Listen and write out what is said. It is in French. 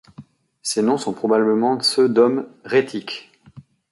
Ces noms sont probablement ceux d’hommes rhétiques.